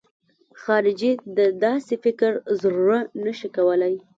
خارجي د داسې فکر زړه نه شي کولای.